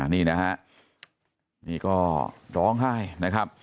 นี่นะฮะนี่ก็ร้องไห้นะครับ